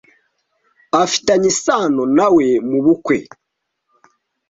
Afitanye isano na we mubukwe.